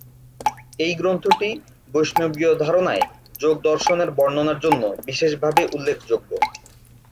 এই গ্রন্থটি বৈষ্ণবীয় ধারণায় যোগ দর্শনের বর্ণনার জন্য বিশেষভাবে উল্লেখযোগ্য।